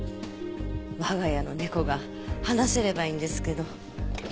我が家の猫が話せればいいんですけど。